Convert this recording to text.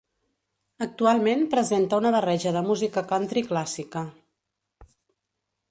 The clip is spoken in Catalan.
Actualment presenta una barreja de música country clàssica.